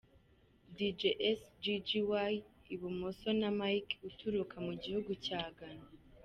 Dj esggy ibumoso na Mike uturuka mu gihugu cya Ghana.